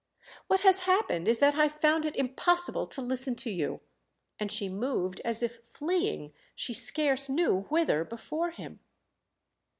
"What has happened is that I've found it impossible to listen to you." And she moved as if fleeing she scarce knew whither before him.